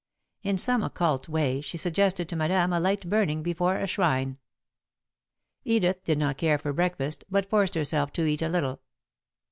In some occult way she suggested to Madame a light burning before a shrine. Edith did not care for breakfast but forced herself to eat a little.